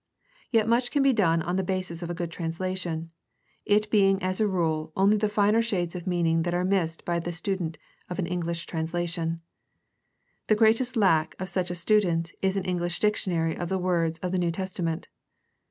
Yet much can be done on the basis of a good translation, it being as a rule only the finer shades of meaning that are missed by the student of an English translation. The greatest lack of such a student is an English dictionary of the words of the New Testament.